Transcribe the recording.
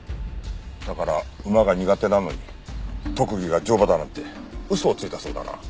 だから馬が苦手なのに特技が乗馬だなんて嘘をついたそうだな。